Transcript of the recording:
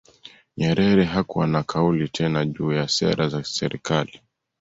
Nyerere hakuwa na kauli tena juu ya sera za kiserikali